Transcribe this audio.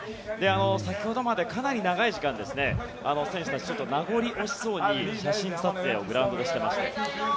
先ほどまでかなり長い時間選手たち、名残惜しそうに写真撮影をグラウンドでしていました。